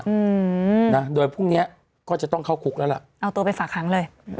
อืมนะโดยพรุ่งเนี้ยก็จะต้องเข้าคุกแล้วล่ะเอาตัวไปฝากหางเลย